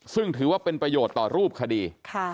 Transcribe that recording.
ซึ่งถือว่าเป็นประโยชน์ต่อรูปคดี